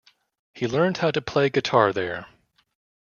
He learned how to play the guitar there.